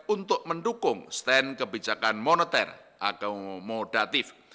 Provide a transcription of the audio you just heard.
untuk mendukung stand kebijakan moneter akomodatif